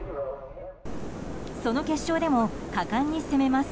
その決勝でも果敢に攻めます。